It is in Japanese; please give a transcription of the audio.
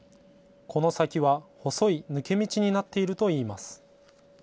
この先は細い抜け道になっているといいます。